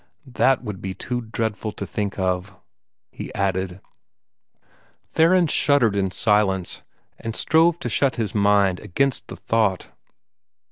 "THAT would be too dreadful to think of," he added. Theron shuddered in silence, and strove to shut his mind against the thought.